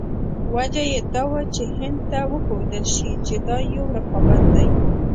وجه یې دا وه چې هند ته وښودل شي چې دا یو رقابت دی.